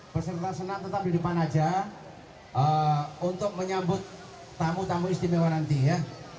peserta senang tetap di depan aja untuk menyambut tamu tamu istimewa nanti ya